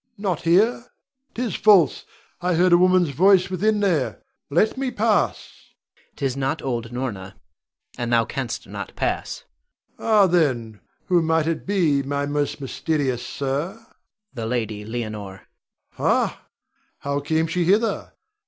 Rod. Not here? 'Tis false, I heard a woman's voice within there. Let me pass! Adrian. 'Tis not old Norna, and thou canst not pass. Rod. Ah, then, who might it be, my most mysterious sir? Adrian. The Lady Leonore. Rod. Ha! how came she hither?